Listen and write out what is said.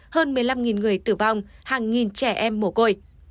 hơn một mươi năm người tử vong hàng nghìn trẻ em mồ côi